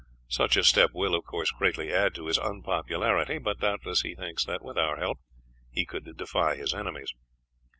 Such a step will, of course, greatly add to his unpopularity, but doubtless he thinks that, with our help, he could defy his enemies."